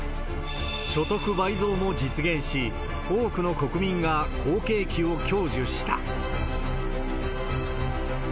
所得倍増も実現し、多くの国民が好景気を享受した。